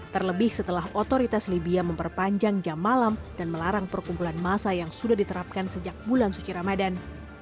terlebih setelah otoritas libya memperpanjang jam malam dan melarang perkumpulan massa yang sudah diterapkan sejak bulan suci ramadan